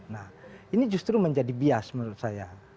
nah ini justru menjadi bias menurut saya